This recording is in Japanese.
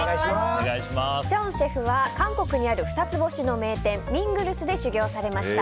チョンシェフは韓国にある二つ星の名店ミングルスで修業されました。